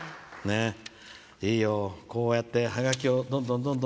いいよ、こうやってハガキをどんどん。